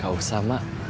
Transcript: gak usah mak